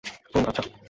হুম, আচ্ছা।